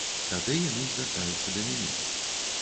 Тады яны звяртаюцца да мяне.